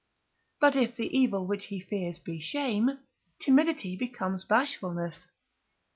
But if the evil which he fears be shame, timidity becomes bashfulness.